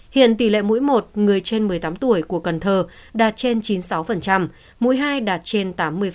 hiện tỷ lệ mũi một người trên một mươi tám tuổi của cần thơ đạt trên chín mươi sáu mũi hai đạt trên tám mươi